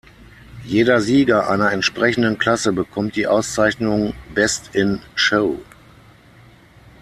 Jeder Sieger einer entsprechenden Klasse bekommt die Auszeichnung "Best in Show".